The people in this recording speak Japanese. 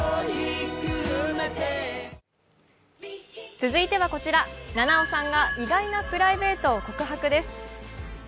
続いてはこちら、菜々緒さんが意外なプライベートを告白です。